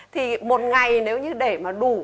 thì một ngày nếu như để mà đủ